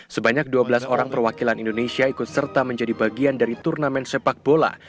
sebanyak dua belas orang perwakilan indonesia ikut serta menjadi bagian dari turnamen sepak bola